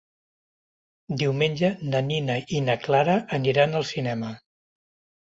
Diumenge na Nina i na Clara aniran al cinema.